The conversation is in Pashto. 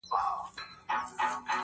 • برابر پر نعمتونو سو ناپامه -